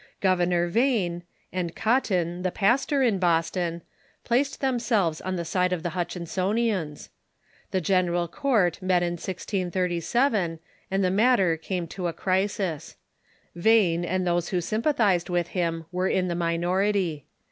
Governor Vane, and Cotton, the pastor in Boston, placed themselves on the side of the llutchinsonians. The General Court met in 1637, and the matter came to a crisis. Vane and those who sympa thized with him were in the minority.